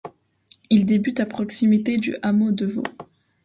Il débute à proximité du hameau de Vaux.